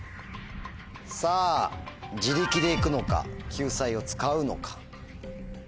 さぁ自力でいくのか救済を使うのか。